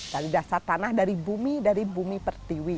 dari dasar tanah dari bumi dari bumi pertiwi